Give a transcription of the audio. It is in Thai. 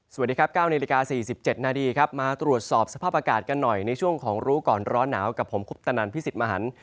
สวัสดีครับ๙นาฬิกา๔๗นาทีครับมาตรวจสอบสภาพอากาศกันหน่อยในช่วงของรู้ก่อนร้อนหนาวกับผมคุปตนันพิสิทธิ์มหัน